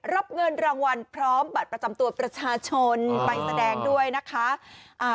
รับเงินรางวัลพร้อมบัตรประจำตัวประชาชนไปแสดงด้วยนะคะ